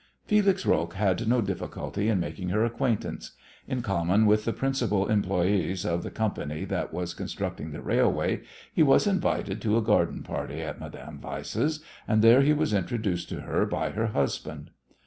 Felix Roques had no difficulty in making her acquaintance. In common with the principal employés of the company that was constructing the railway, he was invited to a garden party at Madame Weiss's, and there he was introduced to her by her husband.